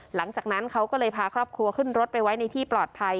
หลังจากนั้นเขาก็เลยพาครอบครัวขึ้นรถไปไว้ในที่ปลอดภัย